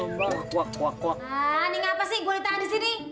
nah ini apa sih gua ditahan di sini